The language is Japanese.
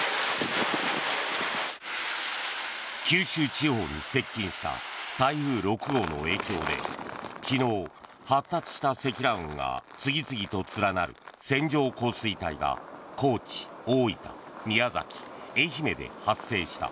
九州地方に接近した台風６号の影響で昨日、発達した積乱雲が次々と連なる線状降水帯が高知、大分、宮崎、愛媛で発生した。